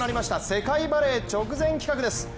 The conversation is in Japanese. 世界バレー直前企画です。